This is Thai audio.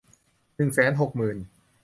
หนึ่งแสนหกหมื่น